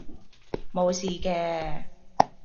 無事嘅